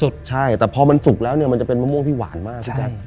ใช่แต่พอมันสุกแล้วเนี่ยมันจะเป็นมะม่วงที่หวานมากพี่แจ๊ค